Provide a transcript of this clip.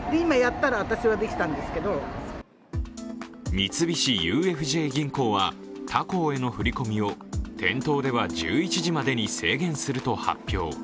三菱ＵＦＪ銀行は他行への振り込みを店頭では１１時までに制限すると発表。